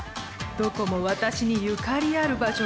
どこも私にゆかりある場所ばかりです。